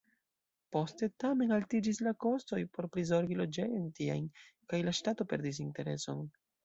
Poste, tamen, altiĝis la kostoj por prizorgi loĝejojn tiajn, kaj la ŝtato perdis intereson.